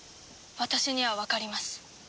私にはわかります。